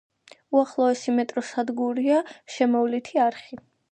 უახლოესი მეტროს სადგურია „შემოვლითი არხი“.